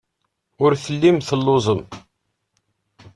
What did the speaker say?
Ur tellim telluẓem.